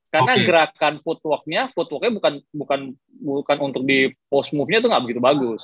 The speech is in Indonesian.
karena gerakan footworknya footworknya bukan untuk di post move nya tuh gak begitu bagus